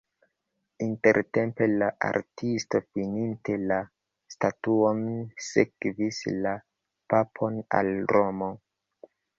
Intertempe la artisto fininte la statuon sekvis la papon al Romo.